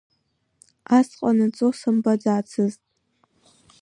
Ас ҟанаҵо сымбаӡацызт.